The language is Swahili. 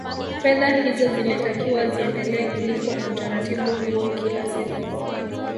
Fedha hizo zilitakiwa ziendelee kulipwa kwa utaratibu huo kila siku